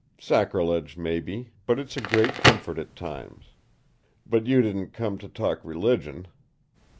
Sacrilege, maybe, but it's a great comfort at times. But you didn't come to talk religion?"